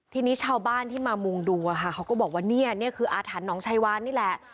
ทีนี้ชาวบ้านที่มามุงดูอะค่ะเขาก็บอกว่าเนี่ยนี่คืออาถรรพ์น้องชายวานนี่แหละ